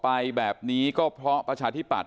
ไปแบบนี้ก็เพราะประชาธิปัตย